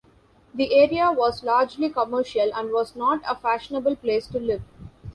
The area was largely commercial and was not a fashionable place to live.